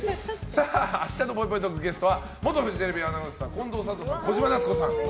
明日のぽいぽいトークゲストは元フジテレビアナウンサー近藤サトさん、小島奈津子さん。